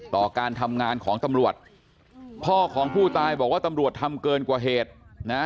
ต่อการทำงานของตำรวจพ่อของผู้ตายบอกว่าตำรวจทำเกินกว่าเหตุนะ